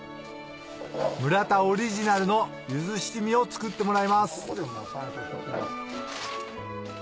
村田オリジナルの柚子七味を作ってもらいます